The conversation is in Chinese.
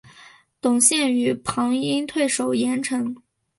董宪与庞萌退守郯城。